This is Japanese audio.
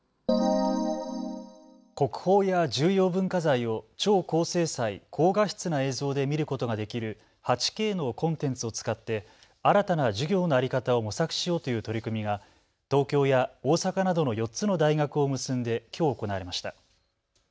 国宝や重要文化財を超高精細・高画質な映像で見ることができる８Ｋのコンテンツを使って新たな事業の在り方を模索しようという取り組みが東京や大阪などの４つの大学を結んできょう行われました。